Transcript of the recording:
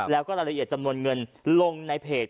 แล้วก็รายละเอียดจำนวนเงินลงในเพจ